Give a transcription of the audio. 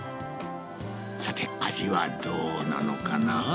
さて、味はどうなのかな。